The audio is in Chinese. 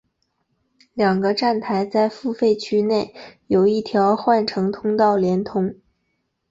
两个站台在付费区内有一条换乘通道连通。